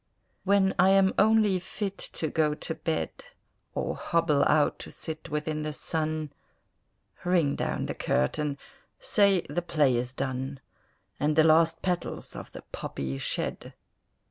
When I am only fit to go to bed, Or hobble out to sit within the sun, Ring down the curtain, say the play is done, And the last petals of the poppy shed!